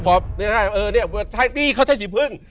เออเนี่ยเขาใช้สีพึ่ง